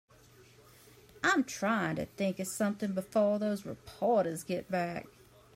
I'm trying to think of something before those reporters get back.